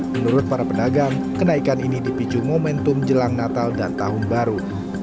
menurut para pedagang kenaikan ini dipicu momentum jelang natal dan tahun baru